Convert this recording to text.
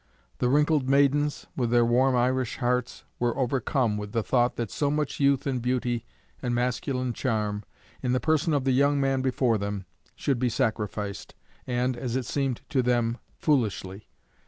The wrinkled maidens, with their warm Irish hearts, were overcome with the thought that so much youth and beauty and masculine charm, in the person of the young man before them, should be sacrificed, and, as it seemed to them, foolishly.